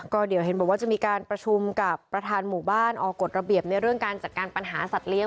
ก็เดี๋ยวเห็นบอกว่าจะมีการประชุมกับประธานหมู่บ้านออกกฎระเบียบในเรื่องการจัดการปัญหาสัตว์เลี้ย